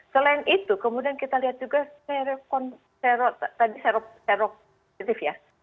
selain itu kemudian kita lihat juga serokons tadi sero sero sero serotif ya